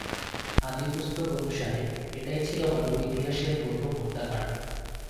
আদিপুস্তক অনুসারে, এটাই ছিল মানব ইতিহাসের প্রথম হত্যাকাণ্ড।